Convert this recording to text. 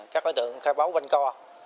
các đối tượng khai báo vanh co